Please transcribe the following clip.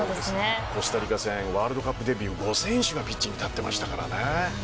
コスタリカ戦ワールドカップデビューも５選手がピッチに立っていましたからね。